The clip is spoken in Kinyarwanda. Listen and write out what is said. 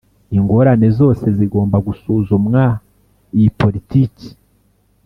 ingorane zose zigomba gusuzumwa Iyi politiki